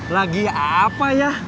lagi apa ya